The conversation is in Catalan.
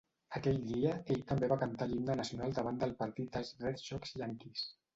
Aquell dia ell també va cantar l'himne nacional davant al partit dels Red Sox-Yankees.